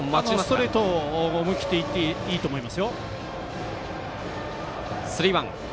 ストレートを思い切っていっていいと思います。